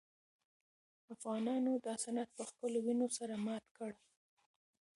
افغانانو دا سند په خپلو وینو سره مات کړ.